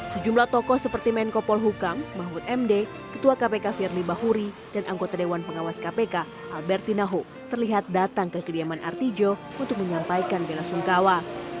sejumlah tokoh seperti menko polhukam mahfud md ketua kpk firly bahuri dan anggota dewan pengawas kpk alberti naho terlihat datang ke kediaman artijo untuk menyampaikan bela sungkawa